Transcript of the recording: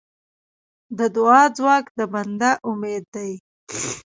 د دعا ځواک د بنده امید دی.